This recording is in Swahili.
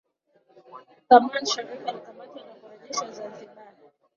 Othaman Shariff alikamatwa na kurejeshwa Zanzibar